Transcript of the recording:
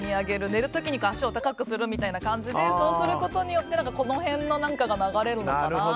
寝るときに足を高くするみたいな感じにすることでこの辺の何かが流れるのかなと思います。